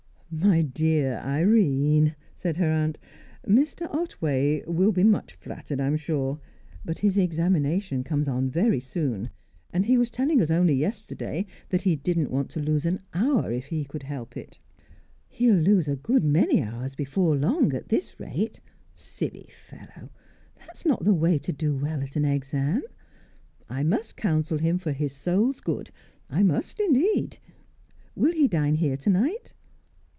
"My dear Irene," said her aunt, "Mr. Otway will be much flattered, I'm sure. But his examination comes on very soon, and he was telling us only yesterday that he didn't want to lose an hour if he could help it." "He'll lose a good many hours before long, at this rate. Silly fellow! That's not the way to do well at an exam! I must counsel him for his soul's good, I must, indeed. Will he dine here to night?"